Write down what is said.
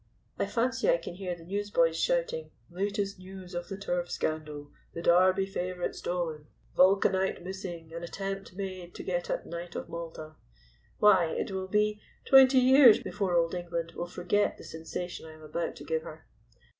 I fancy I can hear the newsboys shouting: 'Latest news of the turf scandal. The Derby favorite stolen. Vulcanite missing. An attempt made to get at Knight of Malta.' Why, it will be twenty years before old England will forget the sensation I am about to give her."